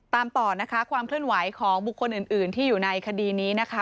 ตามต่อนะคะความเคลื่อนไหวของบุคคลอื่นที่อยู่ในคดีนี้นะคะ